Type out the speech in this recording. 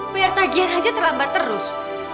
biar tagihan saja terlambat terus